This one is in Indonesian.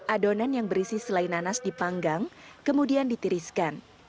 adonan yang berisi selai nanas dipanggang kemudian ditiriskan